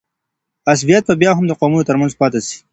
عصبیت به بیا هم د قومونو ترمنځ پاته سي.